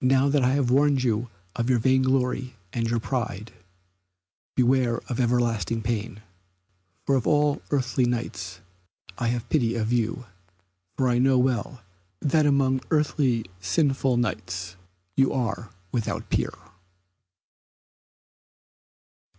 Now that I have warned you of your vain glory and your pride, beware of everlasting pain, for of all earthly Knights I have pity of you, for I know well that among earthly sinful Knights you are without peer."